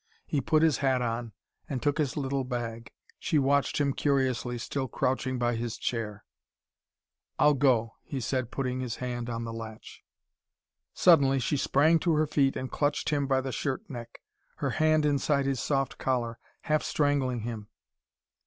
He put his hat on, and took his little bag. She watched him curiously, still crouching by his chair. "I'll go," he said, putting his hand on the latch. Suddenly she sprang to her feet and clutched him by the shirt neck, her hand inside his soft collar, half strangling him.